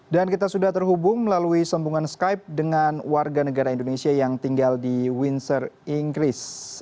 dan kita sudah terhubung melalui sambungan skype dengan warga negara indonesia yang tinggal di windsor inggris